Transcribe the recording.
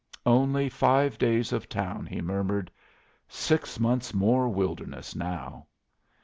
"Only five days of town," he murmured. "Six months more wilderness now."